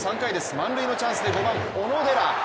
満塁のチャンスで５番・小野寺。